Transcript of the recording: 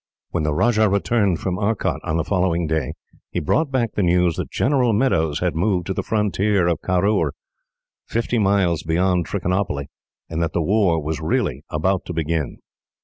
When the Rajah returned from Arcot, on the following day, he brought back the news that General Meadows had moved to the frontier at Caroor, fifty miles beyond Trichinopoly, and that the war was really about to begin.